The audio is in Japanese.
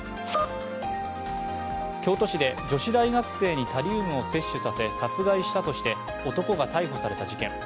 京都市で女子大学生にタリウムを摂取させ殺害したとして男が逮捕された事件。